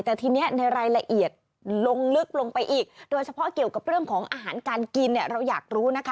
แต่ทีนี้ในรายละเอียดลงลึกลงไปอีก